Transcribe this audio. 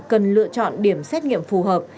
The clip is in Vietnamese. cần lựa chọn điểm xét nghiệm phù hợp